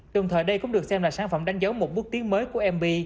đồng thời đây cũng được xem là sản phẩm đánh dấu một bước tiến mới của mb